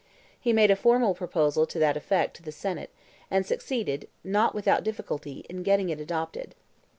He made a formal proposal to that effect to the senate, and succeeded, not without difficulty, in getting it adopted.